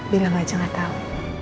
bilang aja gak tau